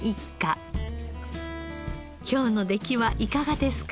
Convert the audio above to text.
今日の出来はいかがですか？